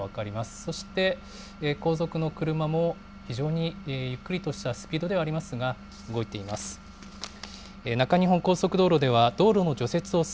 そして後続の車も非常にゆっくりとしたスピードではありますが、動いています。